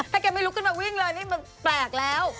ถ้าแกไม่ลุกขึ้นมาวิ่งเลยนี่มันแปลกแล้ว